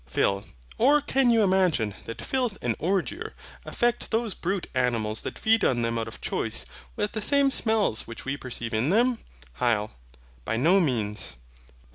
PHIL. Or, can you imagine that filth and ordure affect those brute animals that feed on them out of choice, with the same smells which we perceive in them? HYL. By no means.